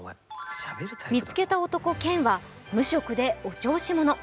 見つけた男、健は無職でお調子者。